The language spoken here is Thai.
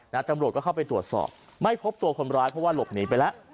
ตำรวจก็เข้าไปตรวจสอบไม่พบตัวคนร้ายเพราะว่าหลบหนีไปแล้ว